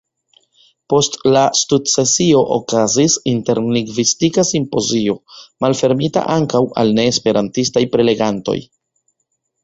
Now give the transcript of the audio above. Post la studsesio okazis interlingvistika simpozio, malfermita ankaŭ al neesperantistaj prelegantoj.